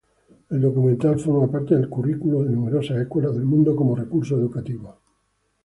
El documental forma parte del currículo de numerosas escuelas del mundo como recurso educativo.